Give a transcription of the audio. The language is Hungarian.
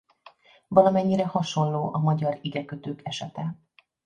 Valamennyire hasonló a magyar igekötők esete.